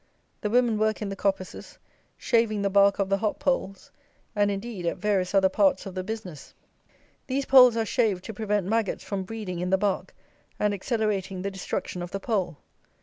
The women work in the coppices, shaving the bark of the hop poles, and, indeed, at various other parts of the business. These poles are shaved to prevent maggots from breeding in the bark and accelerating the destruction of the pole.